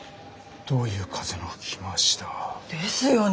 どういう風の吹き回しだ？ですよね。